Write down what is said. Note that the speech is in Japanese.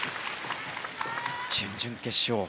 準々決勝